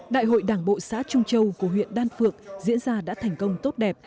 đại hội đảng bộ xã trung châu của huyện đan phượng diễn ra đã thành công tốt đẹp